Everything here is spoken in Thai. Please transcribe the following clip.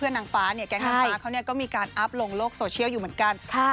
แก๊งนางฟ้าเขาก็มีการอัพลงโลกโซเชียลอยู่เหมือนกัน